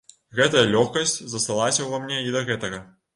Гэтая лёгкасць засталася ўва мне і да гэтага.